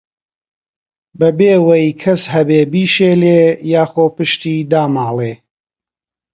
بەبێ وەی کەس هەبێ بیشێلێ، یاخۆ پشتی داماڵێ